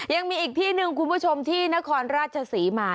ยังมีอีกที่หนึ่งคุณผู้ชมที่นครราชศรีมา